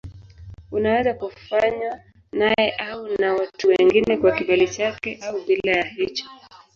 Unaweza kufanywa naye au na watu wengine kwa kibali chake au bila ya hicho.